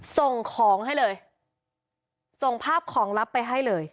ส่งของให้เลยส่งภาพของลับไปให้เลย